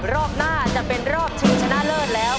รอบหน้าจะเป็นรอบทีมชนะแล้วนะครับ